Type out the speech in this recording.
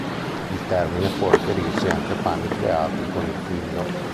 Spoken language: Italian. Il termine può riferirsi anche a panni creati con il filo.